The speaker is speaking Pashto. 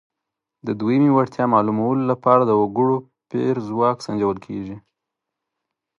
د دویمې وړتیا معلومولو لپاره د وګړو پېر ځواک سنجول کیږي.